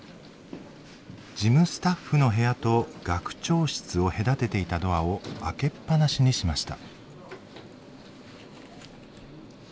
事務スタッフの部屋と学長室を隔てていたドアを開けっぱなしにしました。